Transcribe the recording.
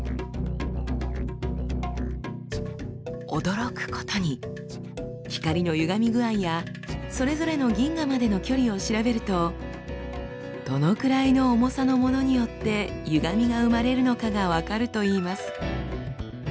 驚くことに光のゆがみ具合やそれぞれの銀河までの距離を調べるとどのくらいの重さのものによってゆがみが生まれるのかが分かるといいます。